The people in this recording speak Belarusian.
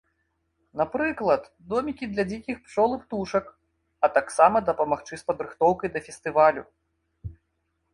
Напрыклад, домікі для дзікіх пчол і птушак, а таксама дапамагчы з падрыхтоўкай да фестывалю.